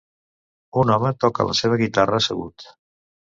Un home toca la seva guitarra assegut.